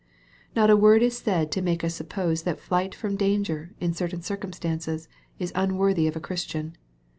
Not a word is said to make us suppose that flight from danger, in certain circumstances, is unworthy of a Christian.